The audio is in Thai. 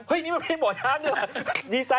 เฮ้ยนี่มันเป็นหมอช้างหรือเปล่า